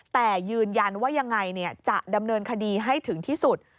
แต่ยืนยันว่ายังไงจะดำเนินคดีให้ถึงที่สุด